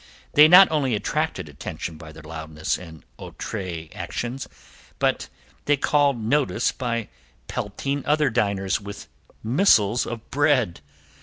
They not only attracted attention by their loudness and outre actions, but they called notice by pelting other diners with missiles of bread.